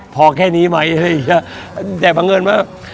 พอแค่นี้ไหมแจกบังเอิญว่า